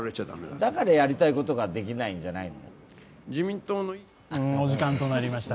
だから、やりたいことができないんじゃないの？